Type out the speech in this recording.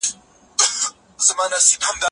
پخواني تعادلي حالتونه له منځه لاړل.